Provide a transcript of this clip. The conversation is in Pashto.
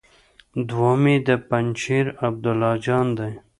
دوهم يې د پنجشېر عبدالله جان دی.